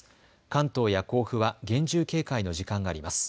関東や甲府は厳重警戒の時間があります。